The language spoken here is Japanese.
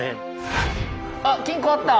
あっ金庫あった！